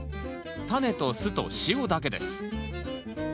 タネと酢と塩だけです。